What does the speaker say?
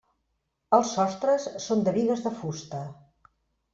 Els sostres són de bigues de fusta.